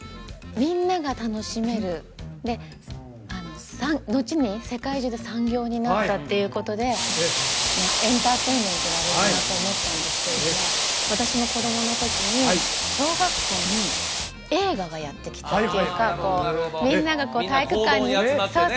みんなが楽しめるのちに世界中で産業になったっていうことでエンターテインメントだろうなと思ったんですけれども私も子供のときに小学校に映画がやって来たというかみんながこう体育館にみんな講堂に集まってね